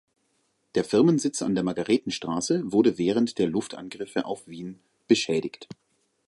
Der Firmensitz an der Margaretenstraße wurde während der Luftangriffe auf Wien beschädigt.